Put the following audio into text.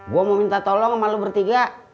gua mau minta tolong sama lu bertiga